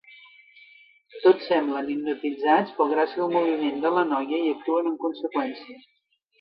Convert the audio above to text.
Tots semblen hipnotitzats pel gràcil moviment de la noia i actuen en conseqüència.